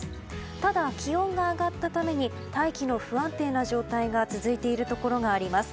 ただ、気温が上がったために大気の不安定な状態が続いているところがあります。